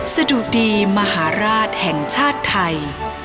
สะดุดีมหาราชแห่งชาติไทย